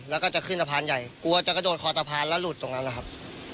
แล้วก็จะขึ้นสะพานใหญ่กลัวจะกระโดดคอสะพานแล้วหลุดตรงนั้นนะครับ